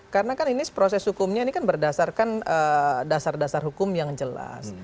karena kan ini proses hukumnya ini kan berdasarkan dasar dasar hukum yang jelas